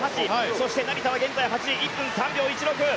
そして成田は現在１分３秒８６。